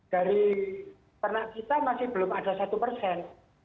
dari ternak kita masih belum ada satu persen